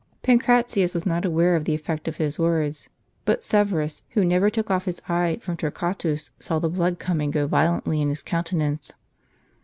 Pancratius was not aware of the eff"ect of his words ; but Severus, who never took off his eye from Torquatus, saw the blood come and go violently in his countenance.